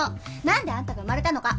なんであんたが生まれたのか。